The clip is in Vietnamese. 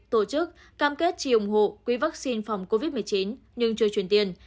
tổ chức cam kết chỉ ủng hộ quỹ vaccine phòng covid một mươi chín nhưng chưa chuyển tiền